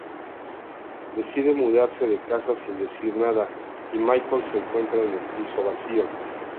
Decide mudarse de casa sin decir nada, y Michael se encuentra el piso vacío.